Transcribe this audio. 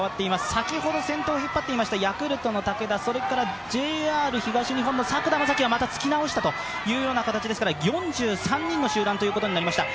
先ほど先頭を引っ張っていましたヤクルトの武田、それからＪＲ東日本の作田将希が、またつき直したという形ですから、４３人の集団ということになりました。